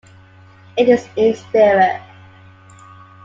It is in spirit.